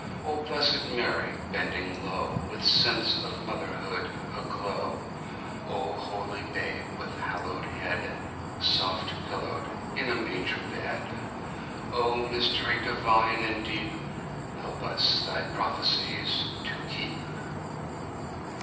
O blessed Mary bending lowWith sense of motherhood aglow!O holy Babe with haloed headSoft pillowed in a manger bed!O Mystery divine and deepHelp us Thy prophecies to keep!